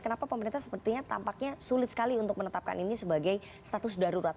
kenapa pemerintah sepertinya tampaknya sulit sekali untuk menetapkan ini sebagai status darurat